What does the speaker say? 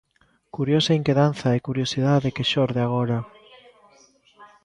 ¡Curiosa inquedanza e curiosidade que xorde agora!